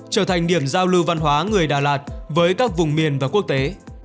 trở thành điểm giao lưu văn hóa người đà lạt với các vùng miền và quốc tế